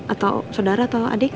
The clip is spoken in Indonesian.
atau saudara atau adik